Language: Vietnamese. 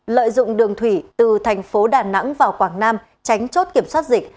lợi dụng đường thủy từ thành phố đà nẵng vào quảng nam tránh chốt kiểm soát dịch